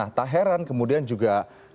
nah tak heran kemudian juga